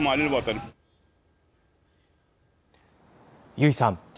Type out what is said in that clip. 油井さん。